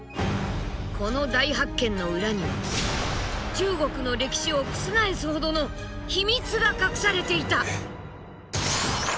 この大発見の裏には中国の歴史を覆すほどの秘密が隠されていた。